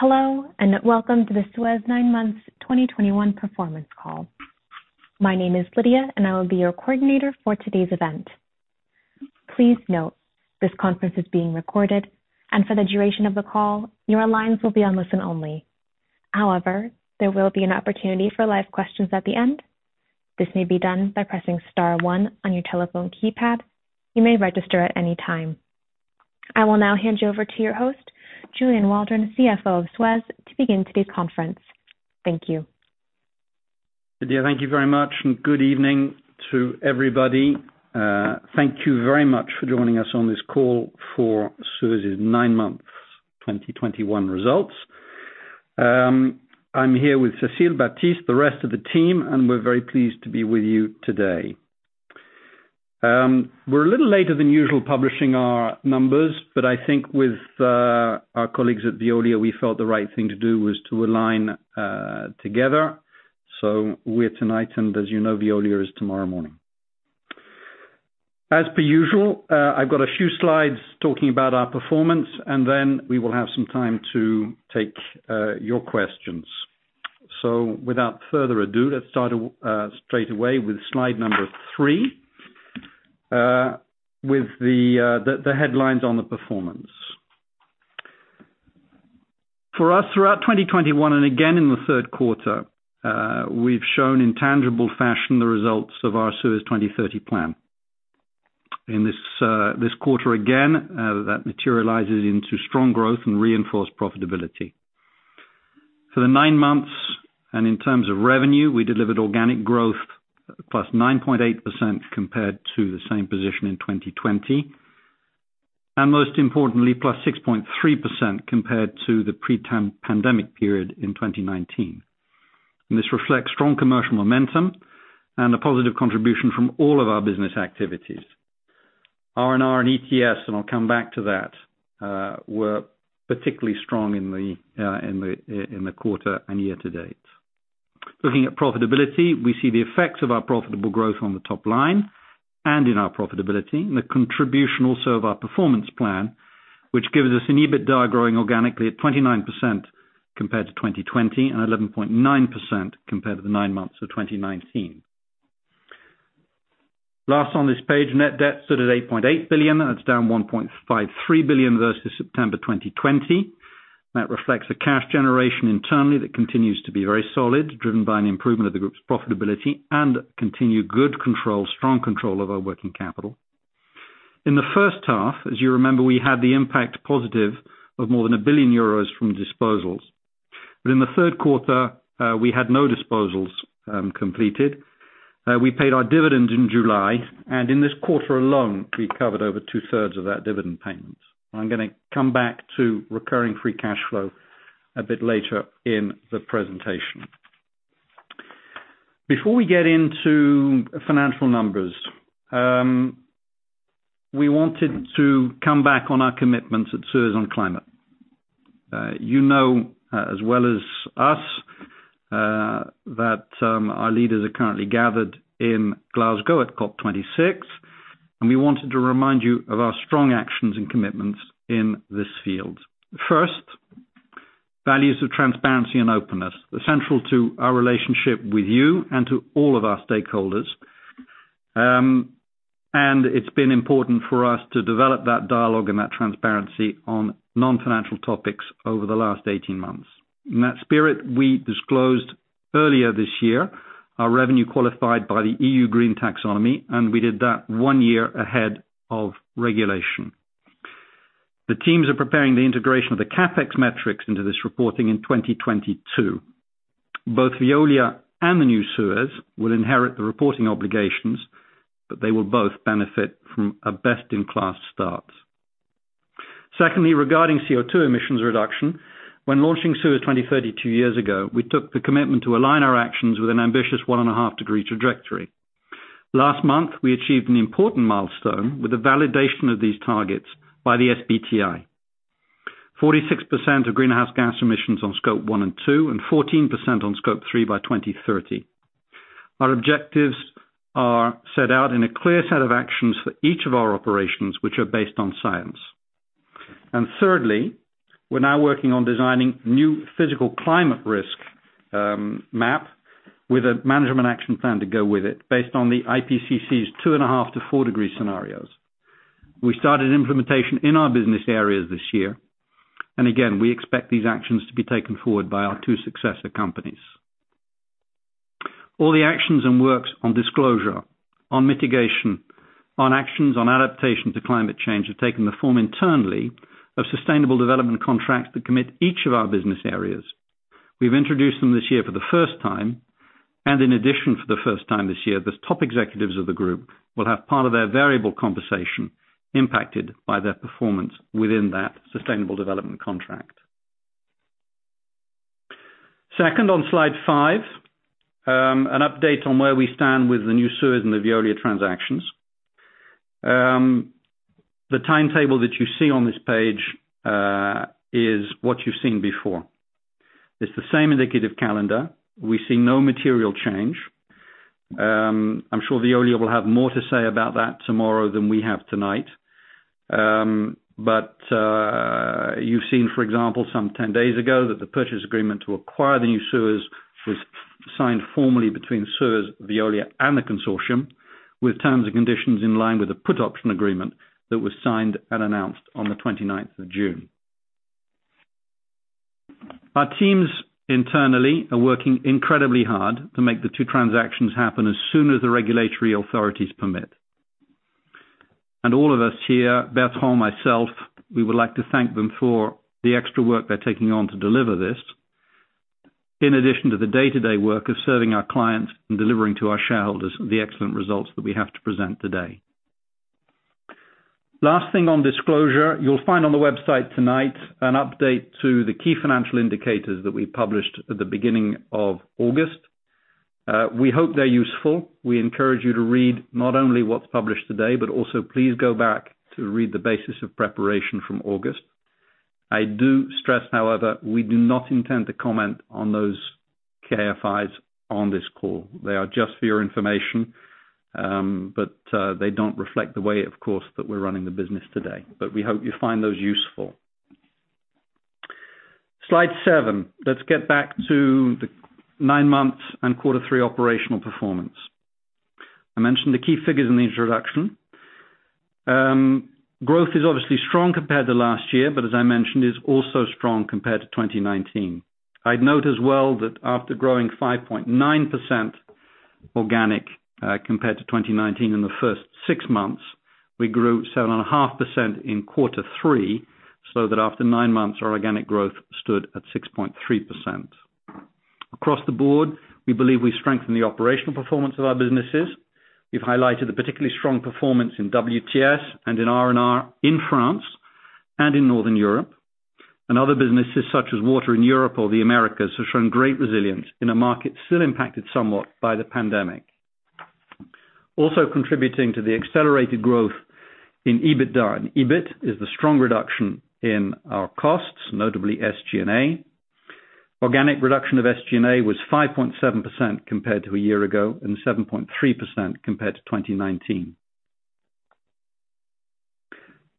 Hello, and welcome to the SUEZ nine-month 2021 performance call. My name is Lydia, and I will be your coordinator for today's event. Please note, this conference is being recorded, and for the duration of the call, your lines will be on listen-only. However, there will be an opportunity for live questions at the end. This may be done by pressing star one on your telephone keypad. You may register at any time. I will now hand you over to your host, Julian Waldron, CFO of SUEZ, to begin today's conference. Thank you. Lydia, thank you very much, and good evening to everybody. Thank you very much for joining us on this call for SUEZ's nine-month 2021 results. I'm here with Cécile, Baptiste, the rest of the team, and we're very pleased to be with you today. We're a little later than usual publishing our numbers, but I think with our colleagues at Veolia, we felt the right thing to do was to align together. We're tonight, and as you know, Veolia is tomorrow morning. As per usual, I've got a few slides talking about our performance, and then we will have some time to take your questions. Without further ado, let's start straight away with slide number three with the headlines on the performance. For us, throughout 2021, and again in the third quarter, we've shown in tangible fashion the results of our SUEZ 2030 plan. In this quarter again, that materializes into strong growth and reinforced profitability. For the nine months, and in terms of revenue, we delivered organic growth +9.8% compared to the same period in 2020. Most importantly, +6.3% compared to the pre-pandemic period in 2019. This reflects strong commercial momentum and a positive contribution from all of our business activities. R&R and ETS, and I'll come back to that, were particularly strong in the quarter and year to date. Looking at profitability, we see the effects of our profitable growth on the top line and in our profitability, and the contribution also of our performance plan, which gives us an EBITDA growing organically at 29% compared to 2020 and 11.9% compared to the nine months of 2019. Last on this page, net debt stood at 8.8 billion. That's down 1.53 billion versus September 2020. That reflects a cash generation internally that continues to be very solid, driven by an improvement of the group's profitability and continued good control, strong control of our working capital. In the first half, as you remember, we had the impact positive of more than 1 billion euros from disposals. In the third quarter, we had no disposals completed. We paid our dividend in July, and in this quarter alone, we covered over two-thirds of that dividend payment. I'm gonna come back to recurring free cash flow a bit later in the presentation. Before we get into financial numbers, we wanted to come back on our commitments at SUEZ on climate. You know, our leaders are currently gathered in Glasgow at COP26, and we wanted to remind you of our strong actions and commitments in this field. First, values of transparency and openness, essential to our relationship with you and to all of our stakeholders. It's been important for us to develop that dialogue and that transparency on non-financial topics over the last 18 months. In that spirit, we disclosed earlier this year our revenue qualified by the EU Green Taxonomy, and we did that one year ahead of regulation. The teams are preparing the integration of the CapEx metrics into this reporting in 2022. Both Veolia and the new SUEZ will inherit the reporting obligations, but they will both benefit from a best-in-class start. Secondly, regarding CO2 emissions reduction, when launching SUEZ 2030 two years ago, we took the commitment to align our actions with an ambitious 1.5-degree trajectory. Last month, we achieved an important milestone with the validation of these targets by the SBTi. 46% of greenhouse gas emissions on Scope one and two, and 14% on Scope three by 2030. Our objectives are set out in a clear set of actions for each of our operations, which are based on science. Thirdly, we're now working on designing new physical climate risk map with a management action plan to go with it based on the IPCC's 2.5-4 degree scenarios. We started implementation in our business areas this year, and again, we expect these actions to be taken forward by our two successor companies. All the actions and works on disclosure, on mitigation, on actions, on adaptation to climate change have taken the form internally of sustainable development contracts that commit each of our business areas. We've introduced them this year for the first time, and in addition, for the first time this year, the top executives of the group will have part of their variable compensation impacted by their performance within that sustainable development contract. Second, on slide five, an update on where we stand with the new SUEZ and the Veolia transactions. The timetable that you see on this page is what you've seen before. It's the same indicative calendar. We see no material change. I'm sure Veolia will have more to say about that tomorrow than we have tonight. You've seen, for example, some 10 days ago, that the purchase agreement to acquire the new SUEZ was signed formally between SUEZ, Veolia, and the consortium, with terms and conditions in line with the put option agreement that was signed and announced on the 29th of June. Our teams internally are working incredibly hard to make the two transactions happen as soon as the regulatory authorities permit. All of us here, Bertrand, myself, we would like to thank them for the extra work they're taking on to deliver this, in addition to the day-to-day work of serving our clients and delivering to our shareholders the excellent results that we have to present today. Last thing on disclosure, you'll find on the website tonight an update to the key financial indicators that we published at the beginning of August. We hope they're useful. We encourage you to read not only what's published today, but also please go back to read the basis of preparation from August. I do stress, however, we do not intend to comment on those KFIs on this call. They are just for your information, but they don't reflect the way, of course, that we're running the business today. We hope you find those useful. Slide seven, let's get back to the nine months and quarter three operational performance. I mentioned the key figures in the introduction. Growth is obviously strong compared to last year, but as I mentioned, is also strong compared to 2019. I'd note as well that after growing 5.9% organic compared to 2019 in the first six months, we grew 7.5% in quarter three, so that after nine months, our organic growth stood at 6.3%. Across the board, we believe we strengthened the operational performance of our businesses. We've highlighted the particularly strong performance in WTS and in R&R in France and in Northern Europe. Other businesses such as water in Europe or the Americas have shown great resilience in a market still impacted somewhat by the pandemic. Also contributing to the accelerated growth in EBITDA and EBIT is the strong reduction in our costs, notably SG&A. Organic reduction of SG&A was 5.7% compared to a year ago and 7.3% compared to 2019.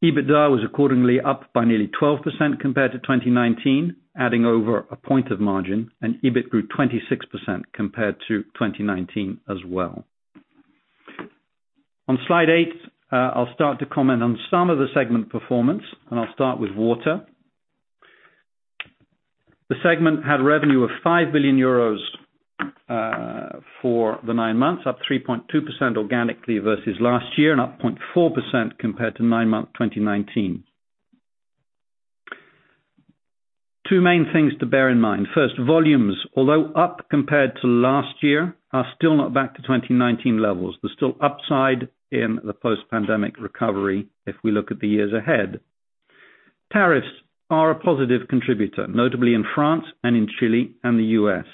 EBITDA was accordingly up by nearly 12% compared to 2019, adding over a point of margin, and EBIT grew 26% compared to 2019 as well. On slide eight, I'll start to comment on some of the segment performance, and I'll start with water. The segment had revenue of 5 billion euros for the nine months, up 3.2% organically versus last year, and up 0.4% compared to nine-month 2019. Two main things to bear in mind. First, volumes, although up compared to last year, are still not back to 2019 levels. There's still upside in the post-pandemic recovery if we look at the years ahead. Tariffs are a positive contributor, notably in France and in Chile and the U.S.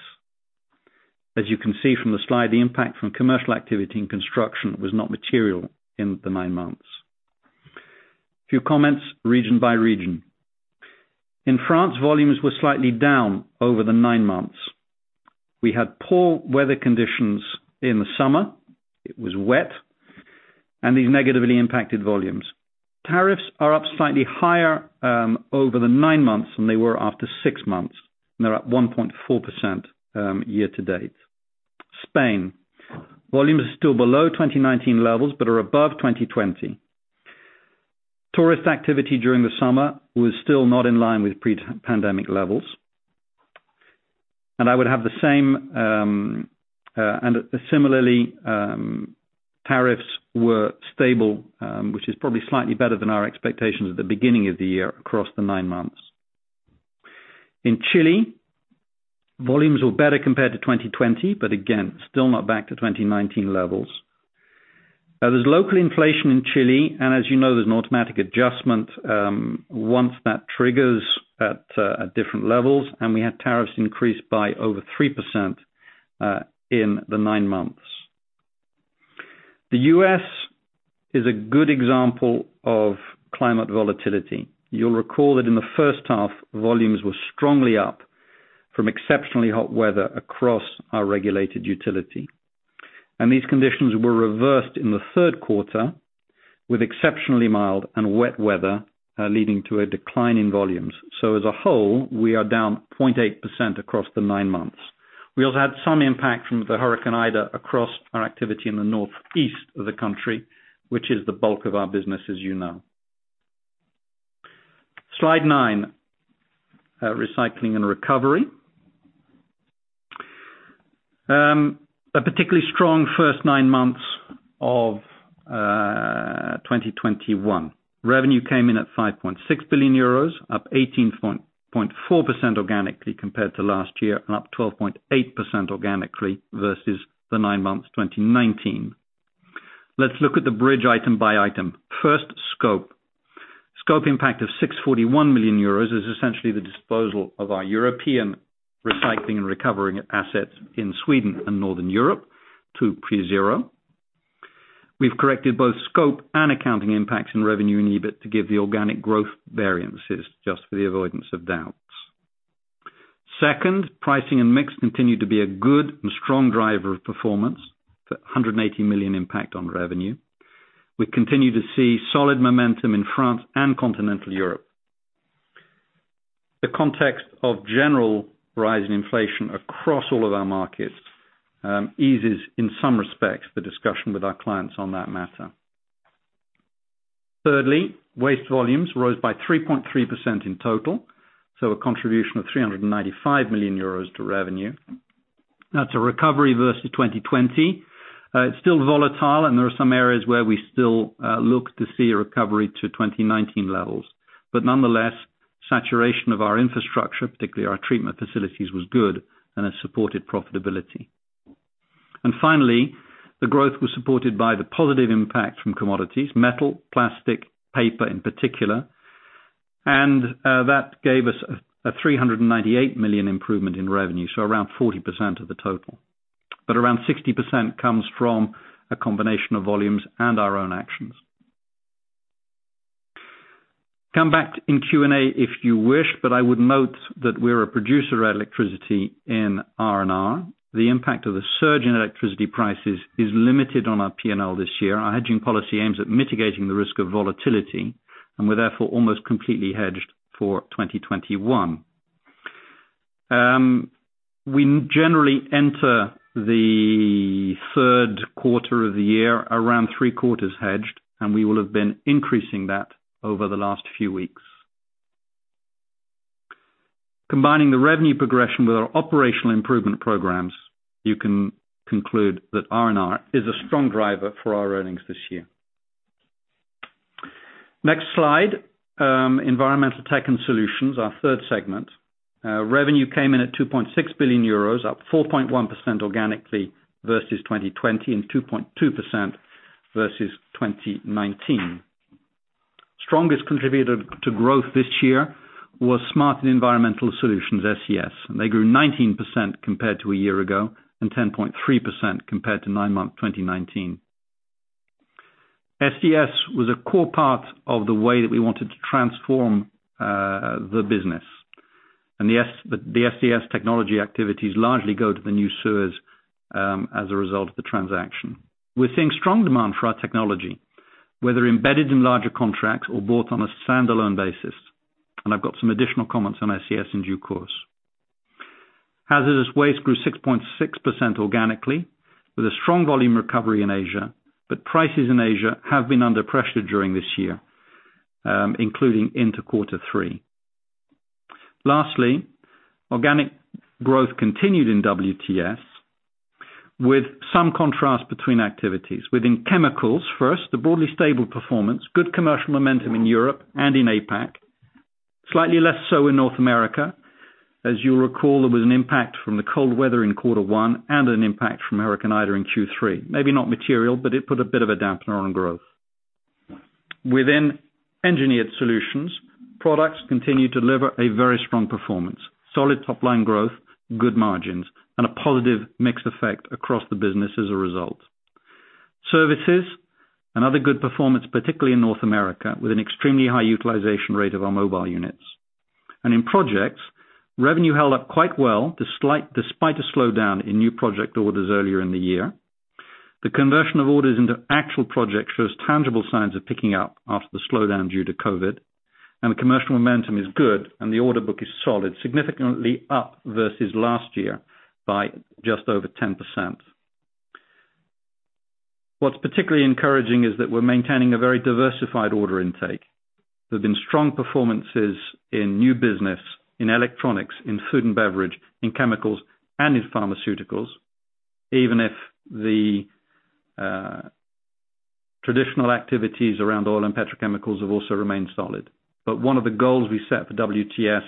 As you can see from the slide, the impact from commercial activity and construction was not material in the nine months. A few comments region by region. In France, volumes were slightly down over the nine months. We had poor weather conditions in the summer. It was wet, and these negatively impacted volumes. Tariffs are up slightly higher over the nine months than they were after six months, and they're up 1.4% year to date. In Spain, volumes are still below 2019 levels but are above 2020. Tourist activity during the summer was still not in line with pre-pandemic levels. I would have the same, and similarly, tariffs were stable, which is probably slightly better than our expectations at the beginning of the year across the nine months. In Chile, volumes were better compared to 2020, but again, still not back to 2019 levels. Now there's local inflation in Chile and, as you know, there's an automatic adjustment, once that triggers at different levels, and we had tariffs increase by over 3%, in the nine months. The U.S. is a good example of climate volatility. You'll recall that in the first half, volumes were strongly up from exceptionally hot weather across our regulated utility. These conditions were reversed in the third quarter with exceptionally mild and wet weather, leading to a decline in volumes. As a whole, we are down 0.8% across the nine months. We also had some impact from the Hurricane Ida across our activity in the northeast of the country, which is the bulk of our business, as you know. Slide nine, recycling and recovery. A particularly strong first nine months of 2021. Revenue came in at 5.6 billion euros, up 18.4% organically compared to last year, and up 12.8% organically versus the nine months 2019. Let's look at the bridge item by item. First, scope. Scope impact of 641 million euros is essentially the disposal of our European recycling and recovery assets in Sweden and Northern Europe to PreZero. We've corrected both scope and accounting impacts in revenue and EBIT to give the organic growth variances just for the avoidance of doubts. Second, pricing and mix continue to be a good and strong driver of performance for 180 million impact on revenue. We continue to see solid momentum in France and continental Europe. The context of general rise in inflation across all of our markets eases, in some respects, the discussion with our clients on that matter. Thirdly, waste volumes rose by 3.3% in total, so a contribution of 395 million euros to revenue. That's a recovery versus 2020. It's still volatile, and there are some areas where we still look to see a recovery to 2019 levels. Nonetheless, saturation of our infrastructure, particularly our treatment facilities, was good and has supported profitability. Finally, the growth was supported by the positive impact from commodities, metal, plastic, paper in particular. That gave us a 398 million improvement in revenue, so around 40% of the total. Around 60% comes from a combination of volumes and our own actions. Come back in Q&A if you wish, but I would note that we're a producer of electricity in R&R. The impact of the surge in electricity prices is limited on our P&L this year. Our hedging policy aims at mitigating the risk of volatility, and we're therefore almost completely hedged for 2021. We generally enter the third quarter of the year around three-quarters hedged, and we will have been increasing that over the last few weeks. Combining the revenue progression with our operational improvement programs, you can conclude that R&R is a strong driver for our earnings this year. Next slide, Environmental Tech & Solutions, our third segment. Revenue came in at 2.6 billion euros, up 4.1% organically versus 2020 and 2.2% versus 2019. Strongest contributor to growth this year was Smart & Environmental Solutions, SES, and they grew 19% compared to a year ago, and 10.3% compared to nine-month 2019. SES was a core part of the way that we wanted to transform the business. The SES technology activities largely go to the new SUEZ as a result of the transaction. We're seeing strong demand for our technology, whether embedded in larger contracts or bought on a standalone basis, and I've got some additional comments on SES in due course. Hazardous waste grew 6.6% organically, with a strong volume recovery in Asia, but prices in Asia have been under pressure during this year, including into quarter three. Lastly, organic growth continued in WTS with some contrast between activities. Within chemicals, first, a broadly stable performance, good commercial momentum in Europe and in APAC. Slightly less so in North America. As you'll recall, there was an impact from the cold weather in quarter one and an impact from Hurricane Ida in Q3. Maybe not material, but it put a bit of a dampener on growth. Within engineered solutions, products continue to deliver a very strong performance, solid top-line growth, good margins, and a positive mix effect across the business as a result. Services, another good performance, particularly in North America, with an extremely high utilization rate of our mobile units. In projects, revenue held up quite well, despite a slowdown in new project orders earlier in the year. The conversion of orders into actual projects shows tangible signs of picking up after the slowdown due to COVID, and the commercial momentum is good and the order book is solid, significantly up versus last year by just over 10%. What's particularly encouraging is that we're maintaining a very diversified order intake. There's been strong performances in new business, in electronics, in food and beverage, in chemicals, and in pharmaceuticals, even if the traditional activities around oil and petrochemicals have also remained solid. One of the goals we set for WTS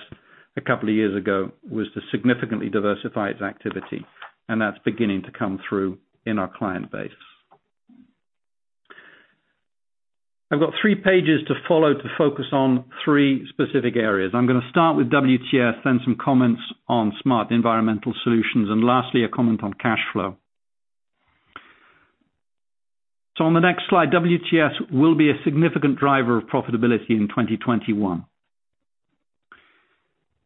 a couple of years ago was to significantly diversify its activity, and that's beginning to come through in our client base. I've got three pages to follow to focus on three specific areas. I'm gonna start with WTS, then some comments on Smart & Environmental Solutions, and lastly, a comment on cash flow. On the next slide, WTS will be a significant driver of profitability in 2021.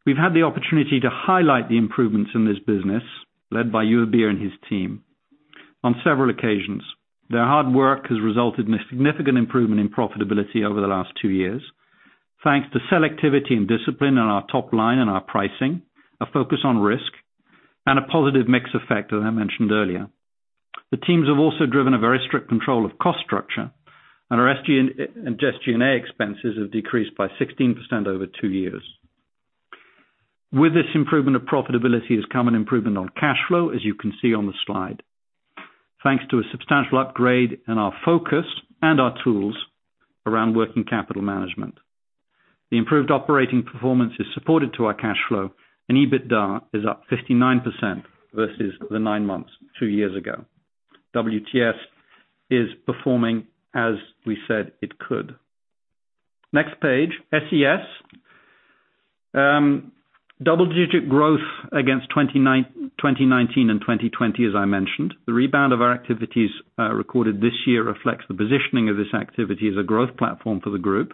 We've had the opportunity to highlight the improvements in this business, led by Hubert and his team, on several occasions. Their hard work has resulted in a significant improvement in profitability over the last two years, thanks to selectivity and discipline in our top line and our pricing, a focus on risk, and a positive mix effect, as I mentioned earlier. The teams have also driven a very strict control of cost structure, and our SG&A expenses have decreased by 16% over two years. With this improvement of profitability has come an improvement on cash flow, as you can see on the slide. Thanks to a substantial upgrade in our focus and our tools around working capital management. The improved operating performance contributed to our cash flow, and EBITDA is up 59% versus the nine months two years ago. WTS is performing as we said it could. Next page, SES, double-digit growth against 2019 and 2020, as I mentioned. The rebound of our activities recorded this year reflects the positioning of this activity as a growth platform for the group.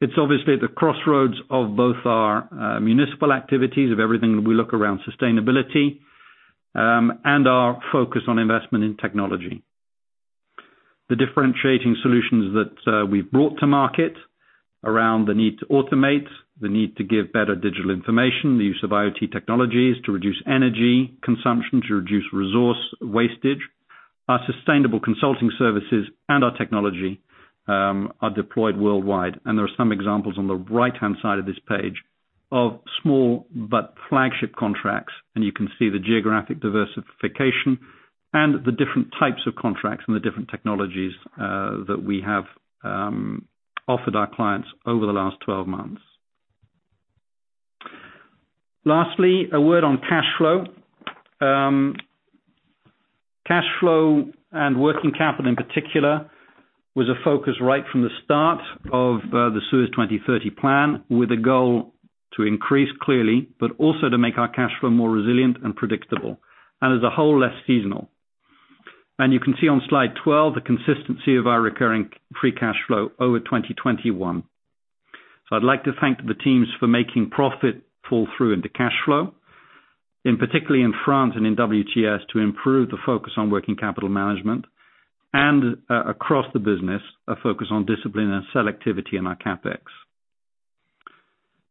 It's obviously at the crossroads of both our municipal activities, of everything that we do around sustainability, and our focus on investment in technology. The differentiating solutions that we've brought to market around the need to automate, the need to give better digital information, the use of IoT technologies to reduce energy consumption, to reduce resource wastage. Our sustainable consulting services and our technology are deployed worldwide, and there are some examples on the right-hand side of this page of small but flagship contracts, and you can see the geographic diversification and the different types of contracts and the different technologies that we have offered our clients over the last 12 months. Lastly, a word on cash flow. Cash flow and working capital in particular was a focus right from the start of the SUEZ 2030 plan, with a goal to increase clearly, but also to make our cash flow more resilient and predictable and as a whole, less seasonal. You can see on slide 12 the consistency of our recurring free cash flow over 2021. I'd like to thank the teams for making profit fall through into cash flow, in particular in France and in WTS, to improve the focus on working capital management and across the business, a focus on discipline and selectivity in our CapEx.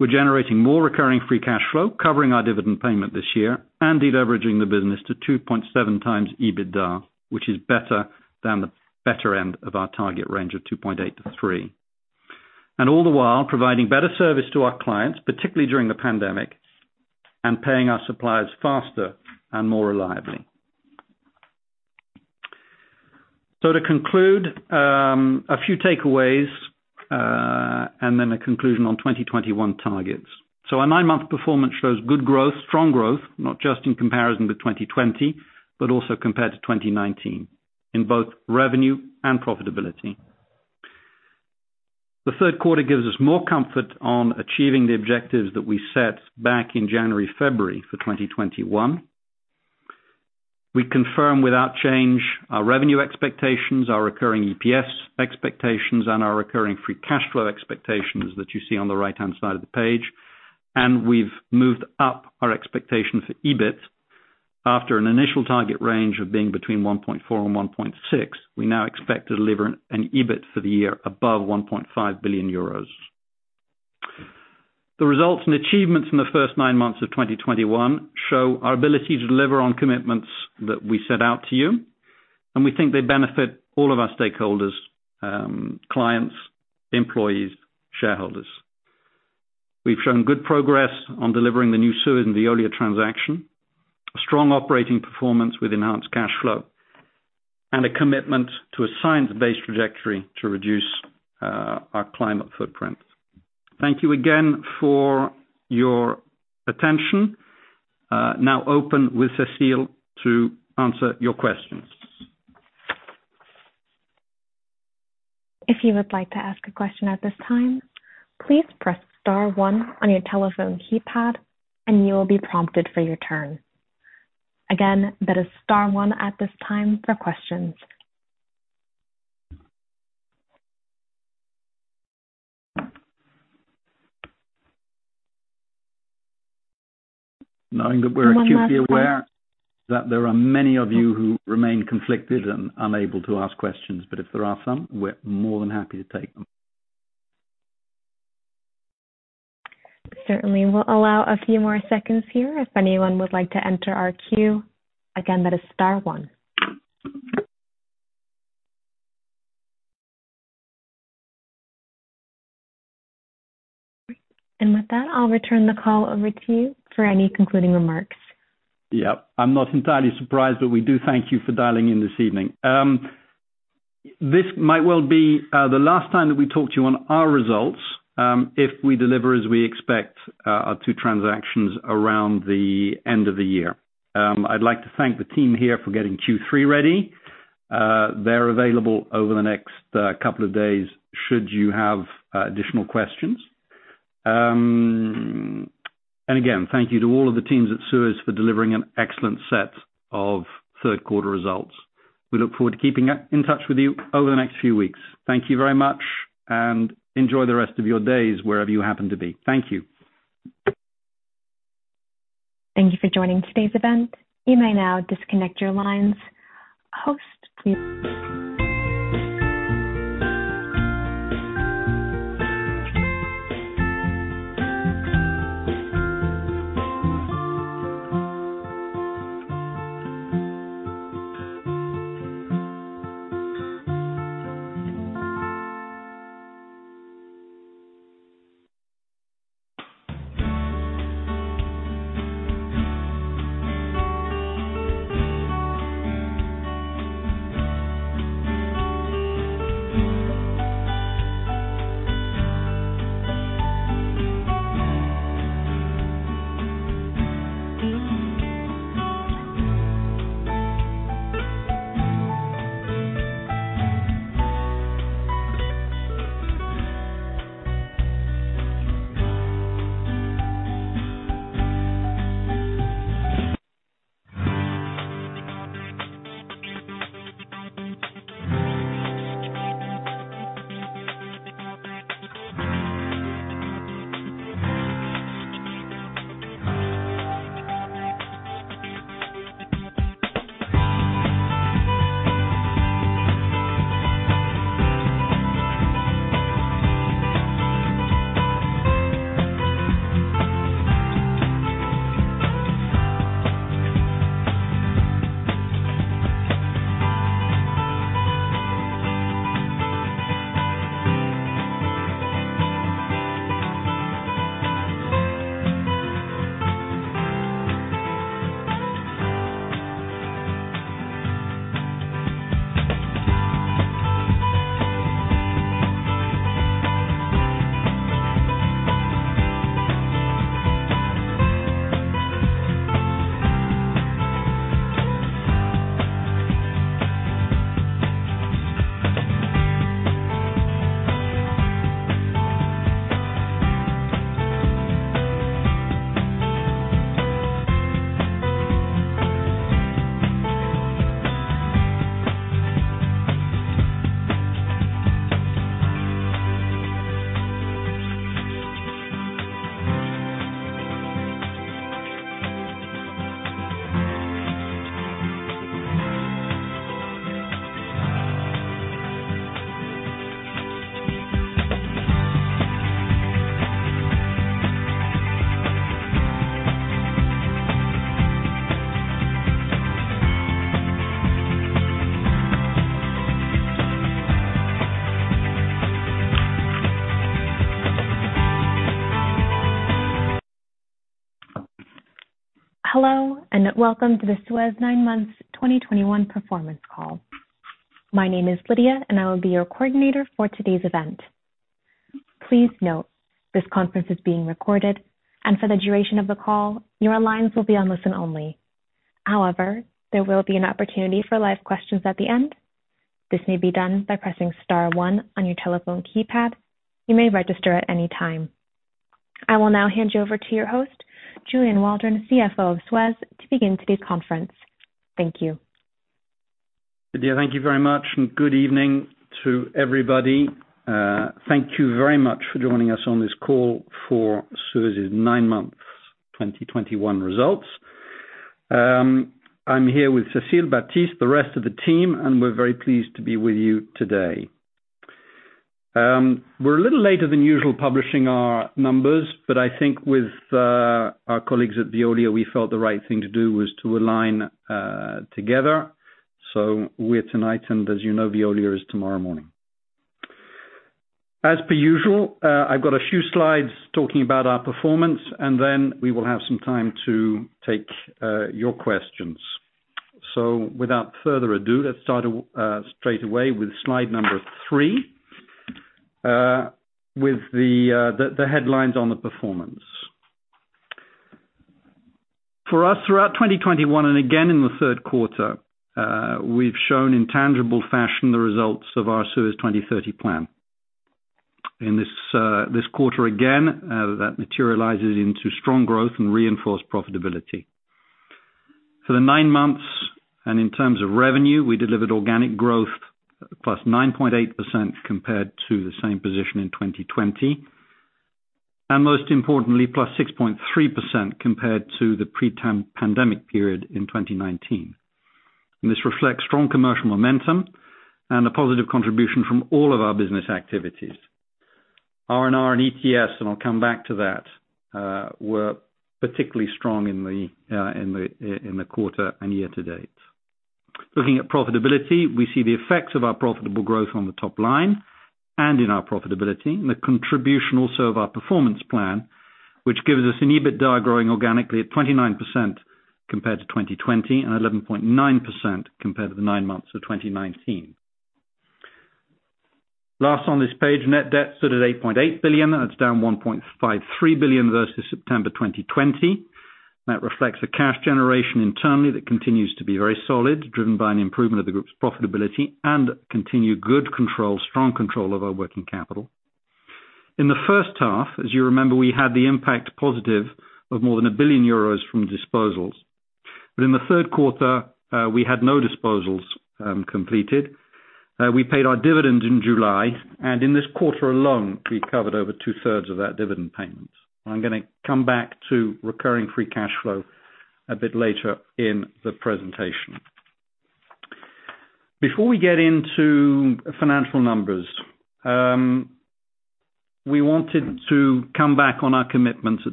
We're generating more recurring free cash flow, covering our dividend payment this year and de-leveraging the business to 2.7x EBITDA, which is better than the better end of our target range of 2.8x-3x. All the while providing better service to our clients, particularly during the pandemic, and paying our suppliers faster and more reliably. To conclude, a few takeaways, and then a conclusion on 2021 targets. Our nine-month performance shows good growth, strong growth, not just in comparison to 2020, but also compared to 2019 in both revenue and profitability. The third quarter gives us more comfort on achieving the objectives that we set back in January, February for 2021. We confirm without change our revenue expectations, our recurring EPS expectations, and our recurring free cash flow expectations that you see on the right-hand side of the page, and we've moved up our expectation for EBIT after an initial target range of being between 1.4 billion and 1.6 billion. We now expect to deliver an EBIT for the year above 1.5 billion euros. The results and achievements in the first nine months of 2021 show our ability to deliver on commitments that we set out to you, and we think they benefit all of our stakeholders, clients, employees, shareholders. We've shown good progress on delivering the new SUEZ and Veolia transaction, a strong operating performance with enhanced cash flow, and a commitment to a science-based trajectory to reduce our climate footprint. Thank you again for your attention. Now open with Cécile to answer your questions. If you would like to ask a question at this time, please press star one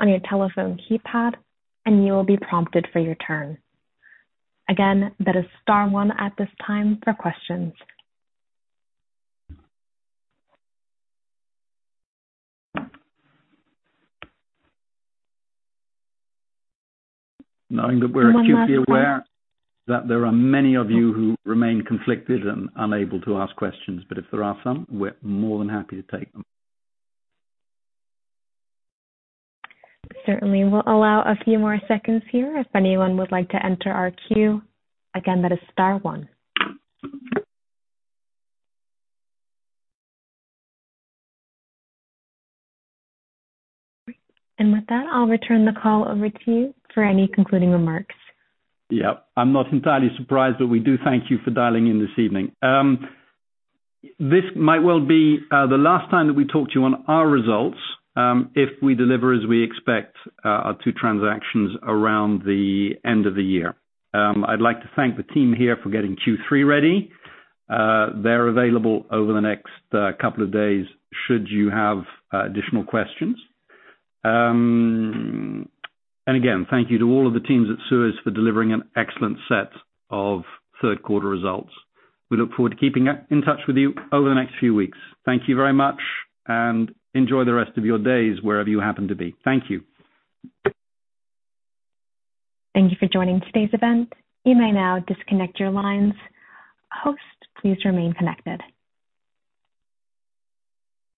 on your telephone keypad and you will be prompted for your turn. Again, that is star one at this time for questions. Knowing that we're acutely aware that there are many of you who remain conflicted and unable to ask questions, but if there are some, we're more than happy to take them. Certainly, we'll allow a few more seconds here if anyone would like to enter our queue. Again, that is star one. With that, I'll return the call over to you for any concluding remarks. Yeah. I'm not entirely surprised, but we do thank you for dialing in this evening. This might well be the last time that we talk to you on our results, if we deliver as we expect, our two transactions around the end of the year. I'd like to thank the team here for getting Q3 ready. They're available over the next couple of days should you have additional questions. Again, thank you to all of the teams at SUEZ for delivering an excellent set of third-quarter results. We look forward to keeping in touch with you over the next few weeks. Thank you very much and enjoy the rest of your days wherever you happen to be. Thank you.